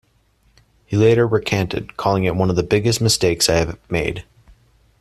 He later recanted, calling it One of the biggest mistakes I have made.